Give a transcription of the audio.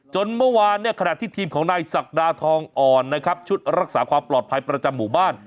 เมื่อวานเนี่ยขณะที่ทีมของนายศักดาทองอ่อนนะครับชุดรักษาความปลอดภัยประจำหมู่บ้าน